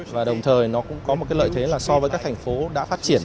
và đồng thời nó cũng có một lợi thế so với các thành phố đã phát triển